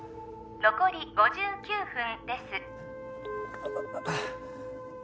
残り５９分です